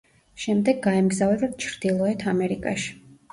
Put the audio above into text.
შემდეგ გაემგზავრა ჩრდილოეთ ამერიკაში.